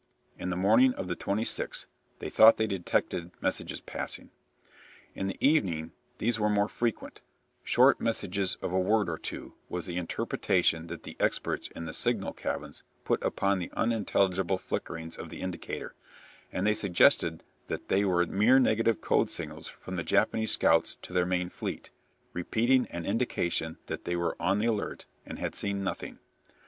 In the morning of the 26th they thought they detected messages passing. In the evening these were more frequent "short messages of a word or two" was the interpretation that the experts in the signal cabins put upon the unintelligible flickerings of the indicator, and they suggested that they were mere negative code signals from the Japanese scouts to their main fleet, repeating an indication that they were on the alert, and had seen nothing.